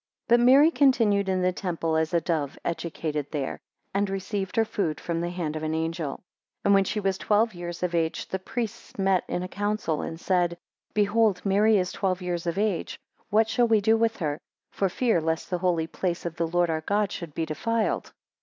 2 But Mary continued in the temple as a dove educated there, and received her food from the hand of an angel. 3 And when she was twelve years of age, the priests met in a council, and said, Behold, Mary is twelve years of age, what shall we do with her, for fear lest the holy place of the Lord our God should be defiled?